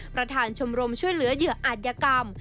ประธานชมรมช่วยเหลือเหยื่ออาจยกรรม